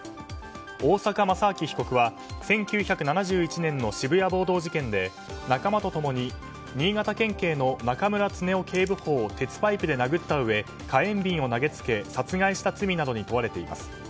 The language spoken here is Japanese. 大坂正明被告は１９７１年の渋谷暴動事件で仲間と共に新潟県警の中村恒雄警部補を鉄パイプで殴ったうえ火炎瓶を投げつけ殺害した罪などに問われています。